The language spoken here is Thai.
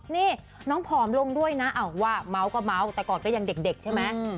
นี่น้องผอมลงด้วยนะว่าเมาส์ก็เมาส์แต่ก่อนก็ยังเด็กใช่ไหม